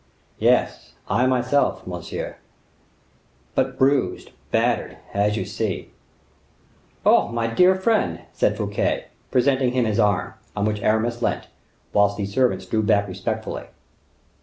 "Yes; I, myself, monsieur! but bruised, battered, as you see." "Oh! my poor friend," said Fouquet, presenting him his arm, on which Aramis leant, whilst the servants drew back respectfully.